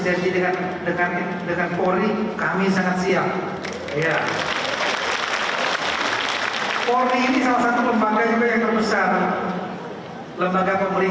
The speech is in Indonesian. ada polseknya lebih dari lima